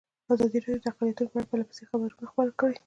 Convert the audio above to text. ازادي راډیو د اقلیتونه په اړه پرله پسې خبرونه خپاره کړي.